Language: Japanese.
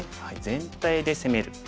全体で攻める。